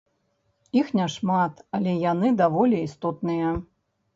Іх няшмат, але яны даволі істотныя.